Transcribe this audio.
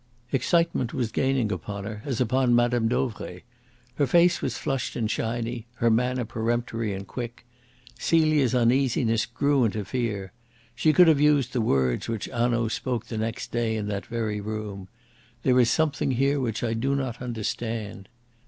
Excitement was gaining upon her, as upon Mme. Dauvray. Her face was flushed and shiny, her manner peremptory and quick. Celia's uneasiness grew into fear. She could have used the words which Hanaud spoke the next day in that very room "There is something here which I do not understand."